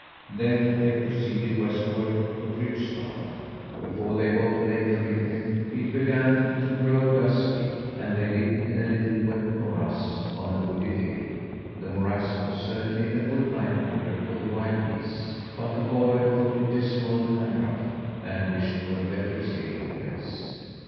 Then they proceeded westward to Fryksdalen. Before they got to Lake Fryken it began to grow dusky, and they lit in a little wet morass on a wooded hill. The morass was certainly a good night quarter for the wild geese, but the boy thought it dismal and rough, and wished for a better sleeping place.